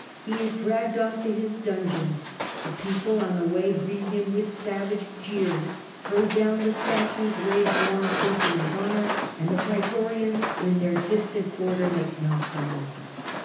He is dragged off to his dungeon. The people on the way greet him with savage jeers, throw down the statues raised long since in his honour, and the praetorians in their distant quarter make no sign.